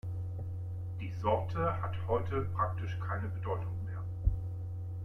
Die Sorte hat heute praktisch keine Bedeutung mehr.